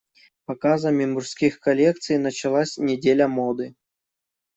Показами мужских коллекций началась Неделя моды.